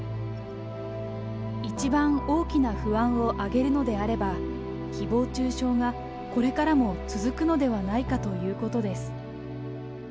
一番大きな不安を挙げるのであれば、ひぼう中傷がこれからも続くのではないかということです。